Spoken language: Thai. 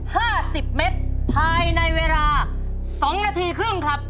ห้าสิบเมตรภายในเวลาสองนาทีครึ่งครับ